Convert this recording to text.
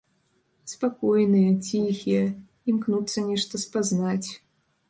Спакойныя, ціхія, імкнуцца нешта спазнаць.